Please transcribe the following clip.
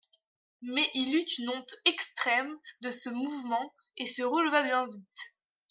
Mais il eut une honte extrême de ce mouvement et se releva bien vite.